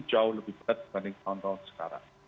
jauh lebih berat dibanding tahun tahun sekarang